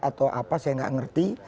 atau apa saya tidak mengerti